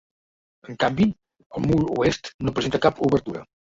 En canvi, el mur oest no presenta cap obertura.